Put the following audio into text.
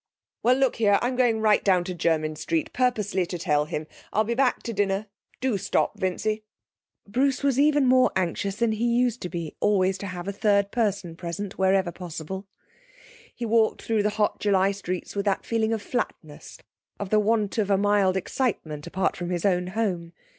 'Well, look here, I'm going right down to Jermyn Street purposely to tell him. I'll be back to dinner; do stop, Vincy.' Bruce was even more anxious than he used to be always to have a third person present whenever possible. He walked through the hot July streets with that feeling of flatness of the want of a mild excitement apart from his own home.